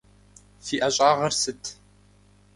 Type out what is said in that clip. Фи ӏэщӏагъэр сыт?